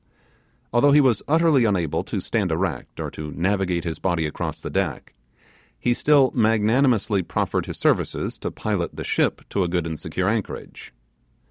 Although he was utterly unable to stand erect or to navigate his body across the deck, he still magnanimously proffered his services to pilot the ship to a good and secure anchorage.